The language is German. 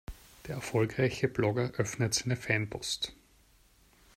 Der erfolgreiche Blogger öffnet seine Fanpost.